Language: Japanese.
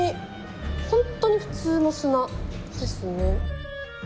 ホントに普通の砂ですね。